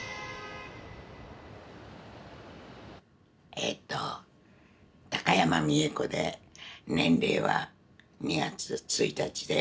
えっと高山美恵子で年齢は２月１日で８１歳。